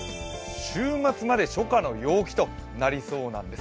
週末まで初夏の陽気となりそうなんです。